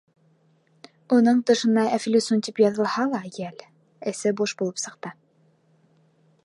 Уның тышына «ӘФЛИСУН» тип яҙылһа ла, йәл! —эсе буш булып сыҡты.